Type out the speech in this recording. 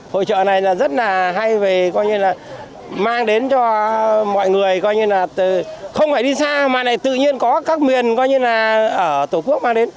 hội trợ này rất là hay mang đến cho mọi người không phải đi xa mà tự nhiên có các nguyên ở tổ quốc mang đến